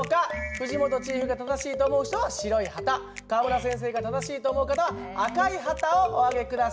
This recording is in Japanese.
藤本チーフが正しいと思う人は白い旗川村先生が正しいと思う方は赤い旗をお上げ下さい。